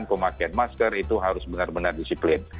pemakaian masker itu harus benar benar disiplin